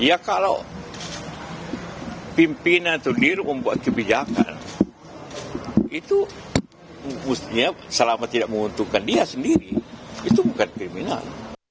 ya kalau pimpinan atau dirut membuat kebijakan itu mestinya selama tidak menguntungkan dia sendiri itu bukan kriminal